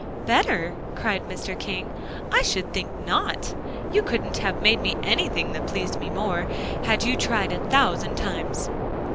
"Better?" cried Mr. King. "I should think not; you couldn't have made me anything that pleased me more, had you tried a thousand times."